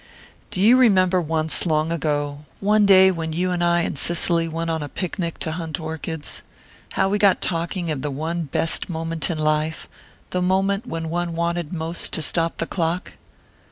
"Do you remember once, long ago one day when you and I and Cicely went on a picnic to hunt orchids how we got talking of the one best moment in life the moment when one wanted most to stop the clock?"